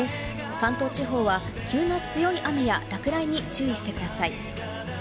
関東地方は、急な強い雨や落雷に注意してください。